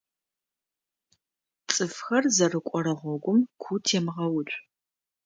ЦӀыфхэр зэрыкӀорэ гъогум ку темгъэуцу.